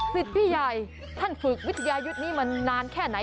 พี่ใหญ่ท่านฝึกวิทยายุทธ์นี้มานานแค่ไหน